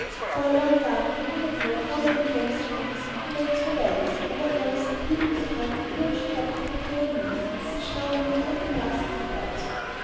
For a long time, I do not know how many days or weeks, we went through valleys, over hills, leaving behind the bluish top of the Pyrenees, which now looked like a mass of clouds.